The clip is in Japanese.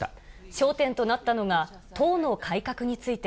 焦点となったのが、党の改革について。